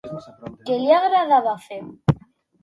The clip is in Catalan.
Què li agradava fer?